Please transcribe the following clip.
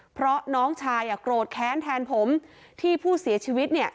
เพราะน้องชายโกรธแค้นแทนผมที่ผู้เสียชีวิตเนี่ย